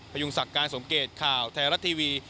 พยุงสักการณ์สมเกตข่าวไทยรัตน์ทวี